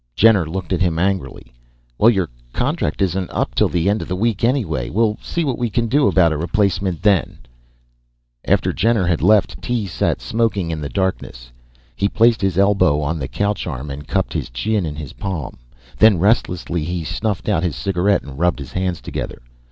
Jenner looked at him angrily. "Well, your contract isn't up till the end of the week anyway. We'll see what we can do about a replacement then." After Jenner had left, Tee sat smoking in the darkness. He placed his elbow on the couch arm and cupped his chin in his palm. Then restlessly, he snuffed out his cigarette and rubbed his hands together.